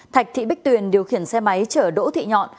thạch thị bích tuyền điều khiển xe máy chở đỗ thị nhọn